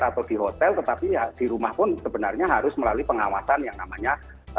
atau di hotel tetapi ya di rumah pun sebenarnya harus melalui pengawasan yang namanya